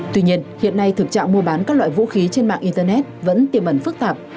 tuy nhiên hiện nay thực trạng mua bán các loại vũ khí trên mạng internet vẫn tiềm ẩn phức tạp